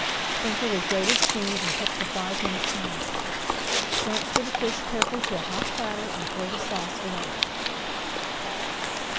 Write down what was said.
Sprinkle with grated cheese and cook for five minutes longer. Transfer the fish carefully to a hot platter and pour the sauce around it.